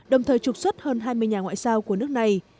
đồng thời trục xuất hơn hai mươi nhà ngoại giao của nước này